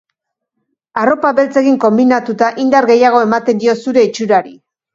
Arropa beltzekin konbinatuta indar gehiago ematen dio zure itxurari.